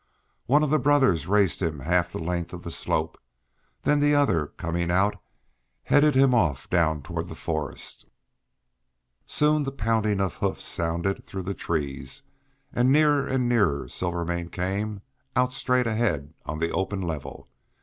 One of the brothers raced him half the length of the slope, and then the other coming out headed him off down toward the forest. Soon the pounding of hoofs sounded through the trees nearer and nearer. Silvermane came out straight ahead on the open level.